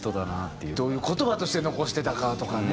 どういう言葉として残してたかとかね。